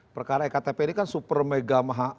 perkara ektp ini kan super mega maha